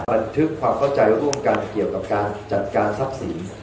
บันทึกความเข้าใจว่าต้องการเกี่ยวกับการจัดการทรัพย์ศีล